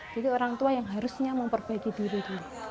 jadi orang tua yang harusnya memperbaiki diri dulu